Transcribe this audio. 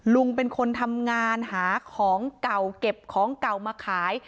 ลุงเป็นคนทำงานหาของเก่าเก็บของเก่ามาขาย